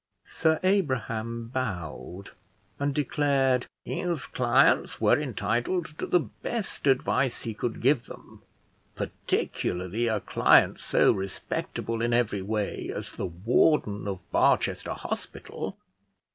Sir Abraham bowed, and declared his clients were entitled to the best advice he could give them; particularly a client so respectable in every way as the Warden of Barchester Hospital.